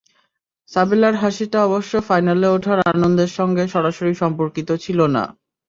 সাবেলার হাসিটা অবশ্য ফাইনালে ওঠার আনন্দের সঙ্গে সরাসরি সম্পর্কিত ছিল না।